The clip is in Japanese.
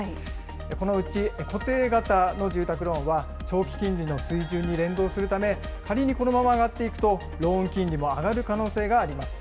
このうち、固定型の住宅ローンは長期金利の水準に連動するため、仮にこのまま上がっていくと、ローン金利も上がる可能性があります。